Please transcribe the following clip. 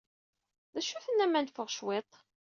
D acu tennam ad neffeɣ cwiṭ?